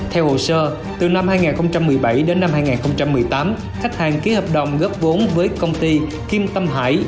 theo hồ sơ từ năm hai nghìn một mươi bảy đến năm hai nghìn một mươi tám khách hàng ký hợp đồng góp vốn với công ty kim tâm hải